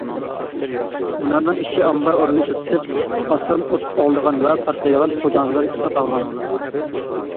مۇنارنىڭ ئىچى ئامبار ئورنىدا ئىشلىتىلىپ، ئاسان ئوت ئالىدىغان ۋە پارتلايدىغان پوجاڭزىلار ساقلانغان.